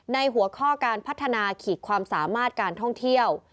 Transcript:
หัวข้อการพัฒนาขีดความสามารถการท่องเที่ยว